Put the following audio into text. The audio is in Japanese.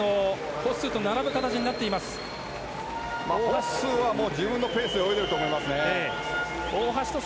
ホッスーは自分のペースで泳いでると思います。